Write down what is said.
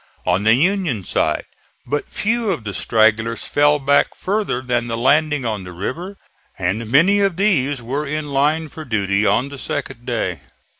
On the Union side but few of the stragglers fell back further than the landing on the river, and many of these were in line for duty on the second day.